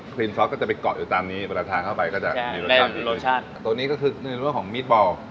ก็จะไปเกาะอยู่ตามนี้เวลาทางเข้าไปก็จะได้รสชาติตัวนี้ก็คือหนึ่งเรื่องของมีทบอล